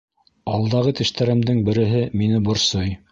Алдағы тештәремдең береһе мине борсой